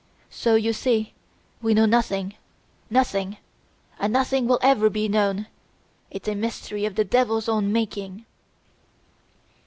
So you see we know nothing nothing! And nothing will ever be known! It's a mystery of the Devil's own making."